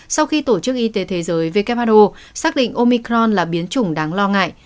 sau khi tổ chức y tế thế giới who xác định omicron là biến chủng đáng lo ngại